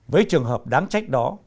với trường hợp đáng trách đó